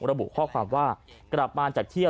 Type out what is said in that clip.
ระบุข้อความว่ากลับมาจากเที่ยว